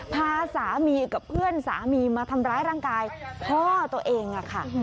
พาสามีกับเพื่อนสามีมาทำร้ายร่างกายพ่อตัวเองค่ะ